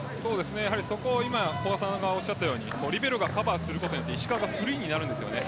そこを今古賀さんがおっしゃったようにリベロがカバーすることによって石川がフリーになるんです。